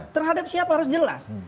terhadap siapa harus jelas